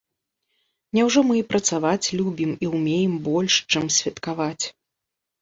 Няўжо мы і працаваць любім і ўмеем больш, чым святкаваць?